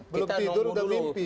belum tidur udah mimpi